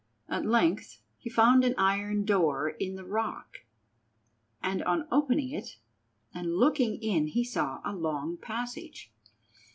At length he found an iron door in the rock, and on opening it and looking in he saw a long passage.